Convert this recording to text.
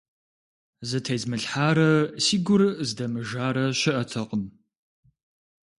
Зытезмылъхьарэ си гур здэмыжарэ щыӀэтэкъым.